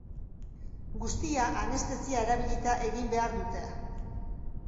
Guztia, anestesia erabilita egin behar dute.